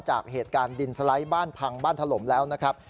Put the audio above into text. จากเหตุการณ์ดินสไลด์บ้านพังบ้านถล่มแล้วนะครับ